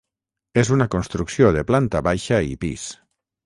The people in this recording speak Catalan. És una construcció de planta baixa i pis.